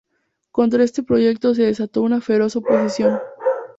Contra este proyecto se desató una feroz oposición.